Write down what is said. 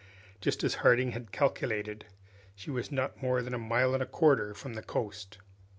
Just as Harding had calculated, she was not more than a mile and a quarter from the coast.